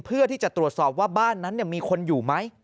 เพื่อที่จะตรวจสอบว่าบ้านนั้นมีคนอยู่ไหม